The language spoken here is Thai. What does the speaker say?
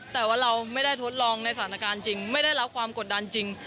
แต่ว่าเราไม่ได้ทดลองในสถานการณ์จริงไม่ได้รับความกดดันจริง